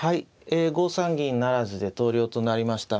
５三銀不成で投了となりました。